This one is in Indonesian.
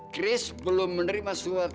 kris belum menerima surat